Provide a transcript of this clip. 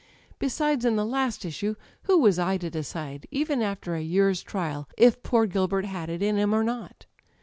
Besides, in the last issue, who was I to decide, even after a year's trial, if poor Gilbert had it in him or not